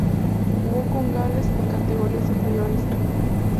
Jugó con Gales en categorías inferiores.